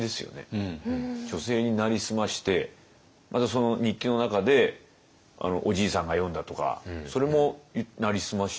女性に成り済ましてまたその日記の中でおじいさんが詠んだとかそれも成り済まし？